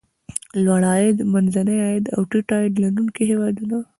لوړ عاید، منځني عاید او ټیټ عاید لرونکي هېوادونه.